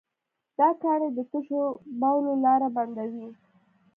دا کاڼي د تشو بولو لاره بندوي.